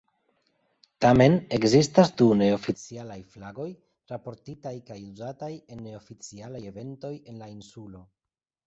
Tamen, ekzistas du neoficialaj flagoj raportitaj kaj uzataj en neoficialaj eventoj en la insulo.